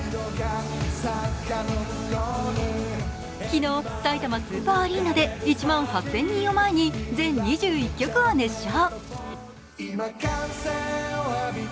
昨日さいたまスーパーアリーナで１万８０００人を前に全２１曲を熱唱。